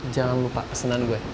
jangan lupa kesenahan gue